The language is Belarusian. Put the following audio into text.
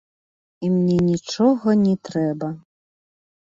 І мне нічога не трэба.